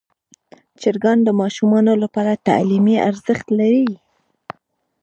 چرګان د ماشومانو لپاره تعلیمي ارزښت لري.